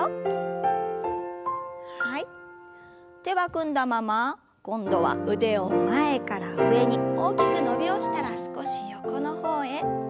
手は組んだまま今度は腕を前から上に大きく伸びをしたら少し横の方へ。